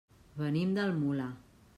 Venim del Molar.